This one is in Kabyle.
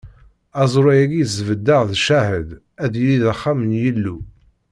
Aẓru-agi i sbeddeɣ d ccahed, ad yili d axxam n Yillu.